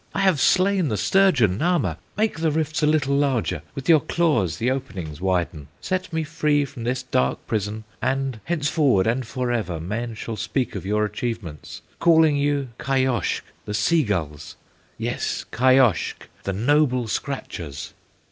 I have slain the sturgeon, Nahma; Make the rifts a little larger, With your claws the openings widen, Set me free from this dark prison, And henceforward and forever Men shall speak of your achievements, Calling you Kayoshk, the sea gulls, Yes, Kayoshk, the Noble Scratchers!"